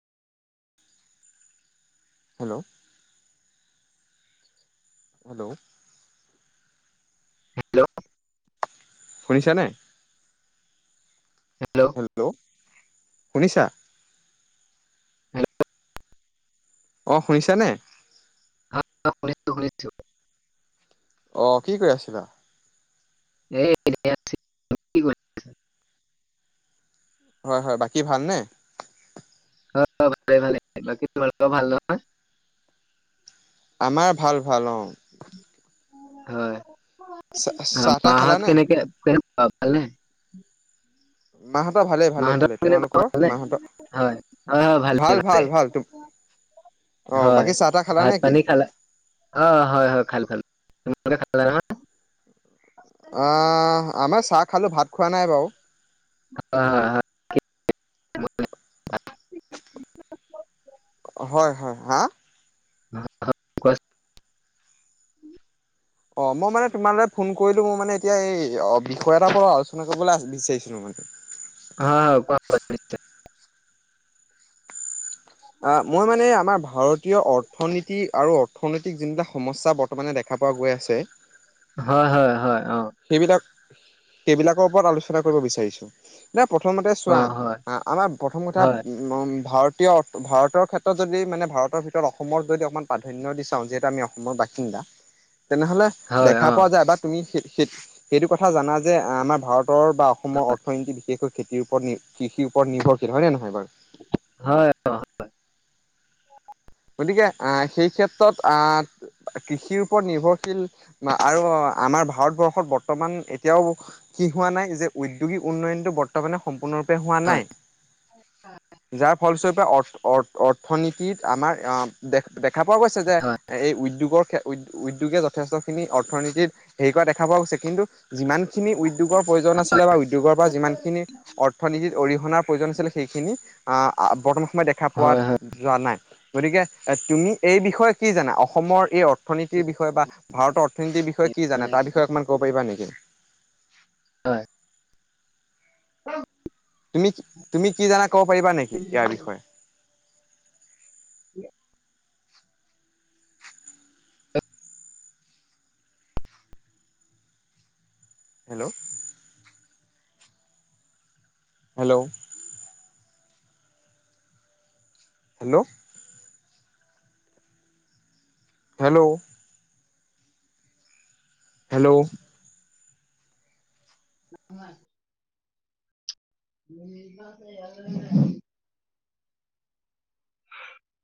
Hello hello hello. শুনিচা নে? Hello hello শুনিছা? Hello অঁ শুনিছা নে? আ শুনিছো শুনিছো। অ' কি কৰি আছিলা? এই এনেই আ হয় হয় বাকী ভালনে? হয় হয় ভালে ভালে। বাকী তোমালোক ভাল নহয়? আমাৰ ভাল ভাল অওঁ। হয় চা আ চাহ তাহ খালা মাহত নে? কেনেকে কেনে ভাল নে? মাহঁতৰ ভালেই ভালে মাহঁতৰ ভালে। কেনেকুৱা তোমালোকৰ ভালনে? মাহঁত হয় হয়। ভালে ভালে ভালেই অ হয়, বাকী চাহ তাহ খালা ভাত নেকি? পানী খালা অঁ হয় হয়। খালো খালো খালো, তোমালোকে কালাম নহয়? ই, আমাৰ চাহ খালোঁ ভাত খোৱা নাই বাও আ হয় হয়। হা? ক [unintelligible] অ' মই মানে তোমালৈ ফোন কৰিলো ম মানে এতিয়া এই অ বিষয় এটা ওপ আ আলোচনা কৰিবলৈ বিচাৰিছ ছিলো মানে হা ওপ [unintelligible] অঁ মই মানে আমাৰ ভাৰতীয় অৰ্থ অৰ্থনীতি আৰু অৰ্থনৈতিক যোনবিলাক সমস্যা বৰ্তমানে দেখা পোৱা গৈ আছে, হয় হয় হয় অঁ। সেইবিলাক সেইবিলাকৰ ওপৰত আলোচনা কৰিব বিচাৰিছো। না প্ৰথমতে চোৱা, অ' হয় আ আমাৰ প্ৰথম কথা হয় নম ভাৰতীয় ভাৰতৰ ক্ষেত্ৰত যদি মানে ভাৰতৰ ভিতৰত অসমক যদি অকণমান প্ৰাধান ন্য দি চাওঁ যিহেতু আমি অসমৰ বাসিন্দা তেনেহ'লে হয় দেখা অ' পোৱা যায় বা তুমি সে সেই সেইটো কথা জানা যে আমাৰ ভাৰতৰ বা অসমৰ অ অথনীতি বিশেষকৈ খেতিৰ ওপৰত নি কৃষিৰ ওপৰত নিৰ্ভৰশল। হয় নে নহয় বা হয় আক'। গতিকে আহ সেই ক্ষেত্ৰত আহ কৃষিৰ ওপৰত নিৰ্ভৰশীল আৰু আমাৰ ভাৰতবৰ্ষত বৰ্তমান এতিয়াও! কি হোৱা নাই যে ঔদ্যোগিক উন্নয়নতো বৰ্তমানে সম্পূৰ্ণৰপে! হোৱা হয় নাই। যাৰ ফলস্বৰূপে অৰ্থনীতিৰ আমাৰ অ দেখ দেখা পোৱা গৈছে যে! হয় এই উদ্যোগৰ উ উদ্যোগে যথেষ্টখিনি অৰ্থনীতিত হেৰি কৰা দেখা পোৱা গৈছে। কিন্তু, যিমানখিনি উদ্যোগৰ প্ৰয়োজন আছিলে বা উদ্যোগৰ পৰা যিমানখিনি অৰ্থনীতিত অৰিহণাৰ প্ৰয়োজন আছিলে। সেইখিনি বৰ্তমান সময়ত দেখা পোৱা হয় হয় হয় যোৱা নাই। গতিকে এ তুমি এই বিষয়ে কি জানা অসমৰ এই অৰ্থ! অৰ্নীতিৰ বিষয় বা ভাৰতৰ অৰ্থনীতি বিষয়ে কি জান, তাৰ বিষয়ে অকমান ক'ব পাৰিবা নেকি? হয় তুমি কি তুমি কি জানা ক'ব পাৰিবা নেকি ইয়াৰ বিষয়ে? [unintelligible] Hello hello hello hello hello [unintelligible] হয়